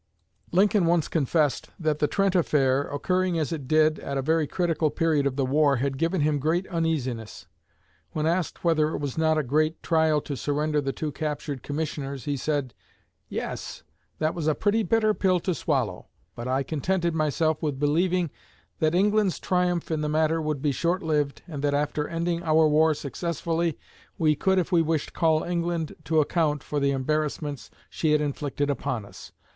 Lincoln once confessed that the Trent affair, occurring as it did at a very critical period of the war, had given him great uneasiness. When asked whether it was not a great trial to surrender the two captured Commissioners, he said: "Yes, that was a pretty bitter pill to swallow, but I contented myself with believing that England's triumph in the matter would be short lived, and that after ending our war successfully we could if we wished call England to account for the embarrassments she had inflicted upon us.